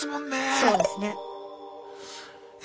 そうですね。え